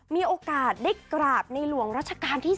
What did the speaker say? มีโอกาสได้กราบล้วงรัชกาลที่๑๐